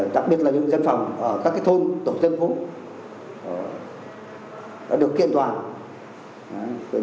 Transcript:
đặc biệt là những dân phòng ở các thôn tổng thân phố đã được kiện toàn